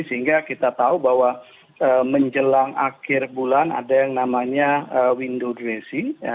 sehingga kita tahu bahwa menjelang akhir bulan ada yang namanya window dressing